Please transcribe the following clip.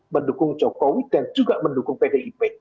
mendukung jokowi dan juga mendukung pdip